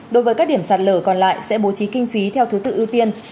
đối với các điểm sạt lở còn lại sẽ bố trí kinh phí theo thứ tự ưu tiên